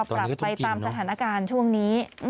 กลับไปตามสถานการณ์ช่วงนี้